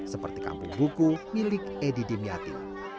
seperti kampung buku milik edi dimyati